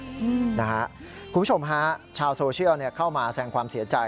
คุณผู้ชมฮะชาวโซเชียลเข้ามาแสงความเสียใจ